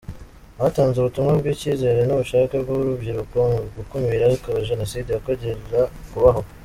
Batanze ubutumwa bw’icyizere n’ubushake bw’urubyiruko mu gukumira ko Jenoside yakongera kubaho.